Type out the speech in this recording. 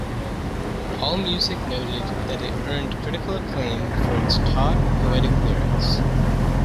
Allmusic noted that it "earned critical acclaim for its taut, poetic lyrics".